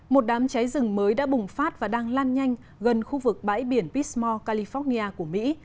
một đám cháy rừng mới đã bùng phát và đang lan nhanh gần khu vực bãi biển pismore california của mỹ